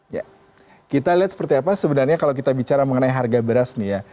ya kita lihat seperti apa sebenarnya kalau kita bicara mengenai harga beras nih ya